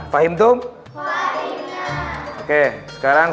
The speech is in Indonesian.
pahim itu pahimnya